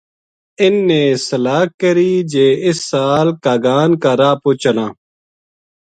اِنھ نے صلاح کری جے اس سال کاگان کا راہ پو چلاں